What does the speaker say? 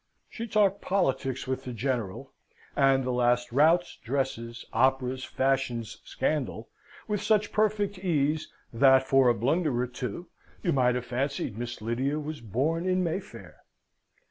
She talked politics with the General, and the last routs, dresses, operas, fashions, scandal, with such perfect ease that, but for a blunder or two, you might have fancied Miss Lydia was born in Mayfair.